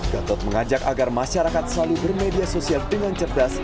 gatot mengajak agar masyarakat selalu bermedia sosial dengan cerdas